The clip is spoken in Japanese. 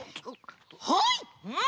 はい！